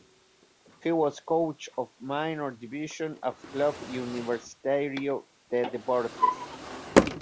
He was coach of minor divisions of Club Universitario de Deportes.